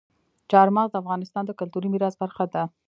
چار مغز د افغانستان د کلتوري میراث برخه ده.